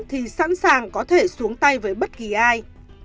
thì sẵn sàng có thể xuống tay với bất kỳ ai